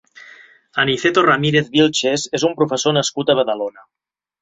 Aniceto Ramírez Vilches és un professor nascut a Badalona.